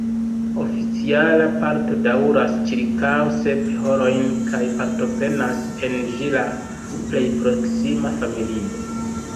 Oficiala parto daŭras ĉirkaŭ sep horojn kaj partoprenas en ĝi la plej proksima familio.